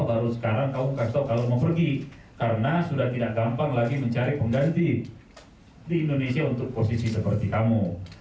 baru sekarang kalau mau pergi karena sudah tidak gampang lagi mencari pengganti di indonesia untuk posisi seperti kamu